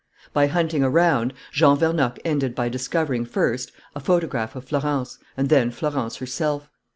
By hunting around, Jean Vernocq ended by discovering first a photograph of Florence and then Florence herself.